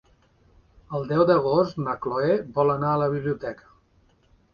El deu d'agost na Cloè vol anar a la biblioteca.